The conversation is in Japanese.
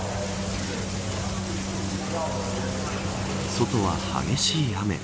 外は激しい雨。